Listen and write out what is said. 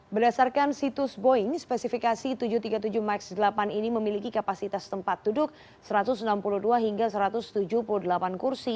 berdasarkan situs boeing spesifikasi tujuh ratus tiga puluh tujuh max delapan ini memiliki kapasitas tempat duduk satu ratus enam puluh dua hingga satu ratus tujuh puluh delapan kursi